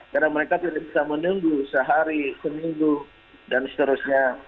karena mereka tidak bisa menunggu sehari seminggu dan seterusnya